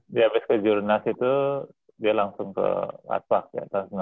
dia abis ke jurnas itu dia langsung ke adpak ya tahun sembilan puluh empat